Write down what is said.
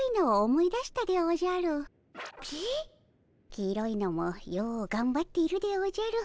黄色いのもようがんばっているでおじゃる。